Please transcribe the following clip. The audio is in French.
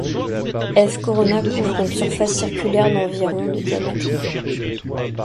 Eve Corona couvre une surface circulaire d'environ de diamètre.